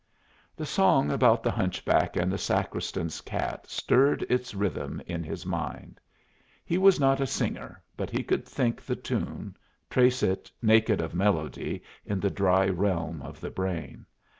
The song about the hunchback and the sacristan's cat stirred its rhythm in his mind. He was not a singer, but he could think the tune, trace it, naked of melody, in the dry realm of the brain.